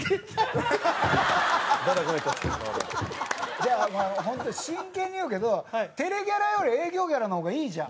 じゃあ本当に真剣に言うけどテレギャラより営業ギャラの方がいいじゃん。